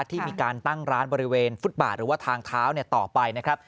ที่มีการตั้งร้านบริเวณฟุตบาทหรือว่าทางเท้าต่อไปนะครับ